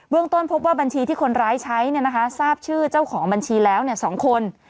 ต้นพบว่าบัญชีที่คนร้ายใช้ทราบชื่อเจ้าของบัญชีแล้ว๒คน